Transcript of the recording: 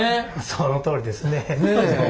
そのとおりですね。